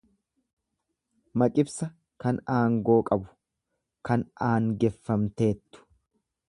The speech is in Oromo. Maqibsa kan aangoo qabu, kan aangeffamteettu.